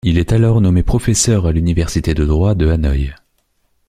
Il est alors nommé professeur à l'université de droit de Hanoï.